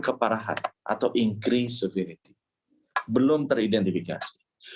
keparahan atau increase severity belum teridentifikasi